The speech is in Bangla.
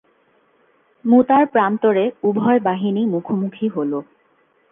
মূতার প্রান্তরে উভয় বাহিনী মুখোমুখি হল।